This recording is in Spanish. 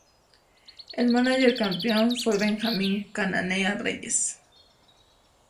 El mánager campeón fue Benjamín "Cananea" Reyes.